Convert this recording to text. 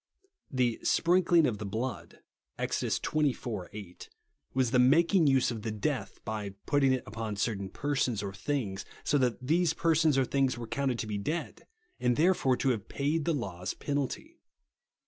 The " sprinkling of the blood" (Ex. xxiv. 8), v,^as the making use of the death, by patting it upon certain persons or things, so that these persons or things were counted to be dead, and, therefore, to have paid the law's penalty.